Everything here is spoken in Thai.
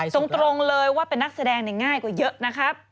ตรงเลยว่าเป็นนักแสดงง่ายกว่าเยอะนะครับ